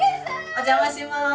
お邪魔します。